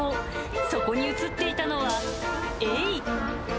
そこに映っていたのは、エイ。